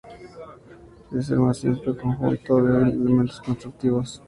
Es el más simple conjunto de elementos constructivos que constituye una estructura arquitectónica.